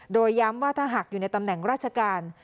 โดยย้ำว่าถ้าหากอยู่ในตำแหน่งราชการ